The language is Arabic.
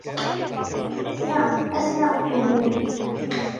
أسمع الطبول.